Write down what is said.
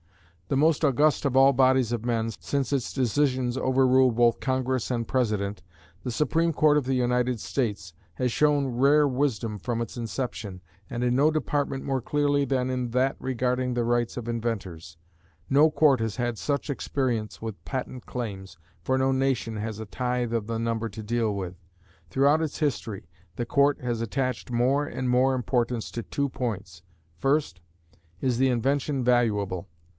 The most august of all bodies of men, since its decisions overrule both Congress and President, the Supreme Court of the United States, has shown rare wisdom from its inception, and in no department more clearly than in that regarding the rights of inventors. No court has had such experience with patent claims, for no nation has a tithe of the number to deal with. Throughout its history, the court has attached more and more importance to two points: First, is the invention valuable?